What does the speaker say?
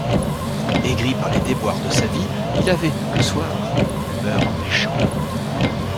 Aigri par les déboires de sa vie, il avait, le soir, l'humeur méchante.